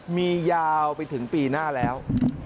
มียาวไปถึงปีหน้าแล้ว